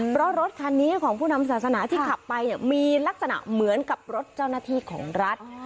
เพราะรถคันนี้ของผู้นำศาสนาที่ขับไปมีลักษณะเหมือนกับรถเจ้าหน้าที่ของรัฐ